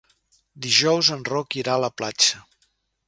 Dijous en Roc irà a la platja.